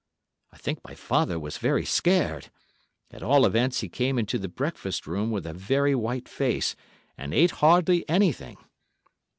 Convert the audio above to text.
"I think my father was very scared; at all events he came into the breakfast room with a very white face and ate hardly anything.